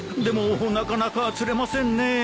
でもなかなか釣れませんね。